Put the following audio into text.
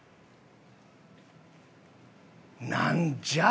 なんじゃ？